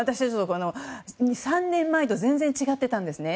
３年前と全然違っていたんですね。